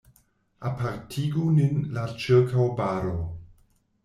Apartigu nin la ĉirkaŭbaro.